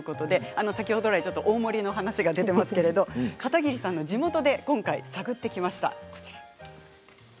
先ほどから大森の話が出ていますけれども片桐さんの地元で今回探ってきました。